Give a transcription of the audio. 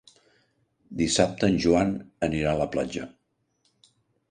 Dissabte en Joan anirà a la platja.